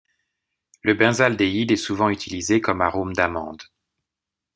Le benzaldéhyde est souvent utilisé comme arôme d'amande.